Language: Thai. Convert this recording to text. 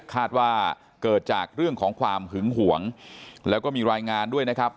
คาดว่าเกิดจากเรื่องของความหึงหวงแล้วก็มีรายงานด้วยนะครับ